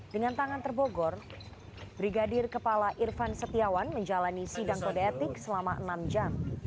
dengan tangan terbogor brigadir kepala irfan setiawan menjalani sidang kode etik selama enam jam